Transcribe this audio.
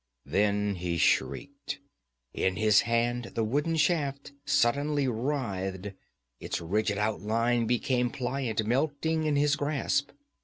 Then he shrieked. In his hand the wooden shaft suddenly writhed. Its rigid outline became pliant, melting in his grasp.